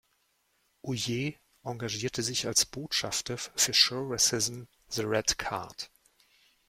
Houllier engagiert sich als Botschafter für Show Racism the Red Card.